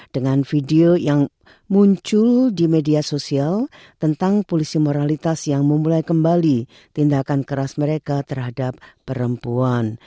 dengan video yang muncul di media sosial tentang polisi moralitas yang memulai kembali tindakan keras mereka terhadap perempuan